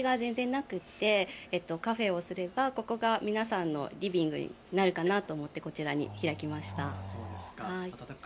この辺りはお店が全然なくてカフェをすればここが皆さんのリビングになるかなと思ってこちらに開きました。